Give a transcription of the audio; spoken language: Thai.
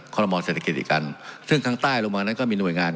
รมอเศรษฐกิจอีกกันซึ่งทางใต้ลงมานั้นก็มีหน่วยงาน